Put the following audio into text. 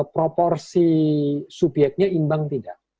proporsi subjeknya imbang tidak